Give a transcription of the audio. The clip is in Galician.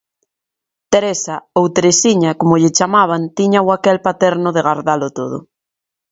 Teresa, ou Teresiña como lle chamaban, tiña o aquel paterno de gardalo todo.